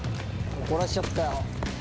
怒らしちゃったよ。